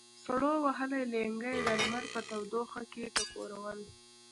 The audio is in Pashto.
سړو وهلي لېنګي یې د لمر په تودوخه کې ټکورول.